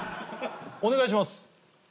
お願いします。